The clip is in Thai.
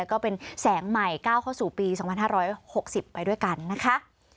ก็เป็นแสงใหม่ก้าวเข้าสู่ปี๒๕๖๐ไปด้วยกันนะคะ